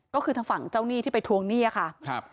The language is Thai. ก็คือทางฝั่งเจ้าหนี้ที่ไปทวงหนี้ค่ะครับ